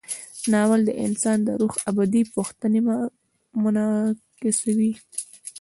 ناول د انسان د روح ابدي پوښتنې منعکسوي.